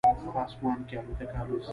په اسمان کې الوتکه الوزي